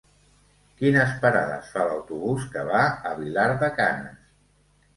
Quines parades fa l'autobús que va a Vilar de Canes?